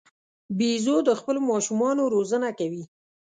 بیزو د خپلو ماشومانو روزنه کوي.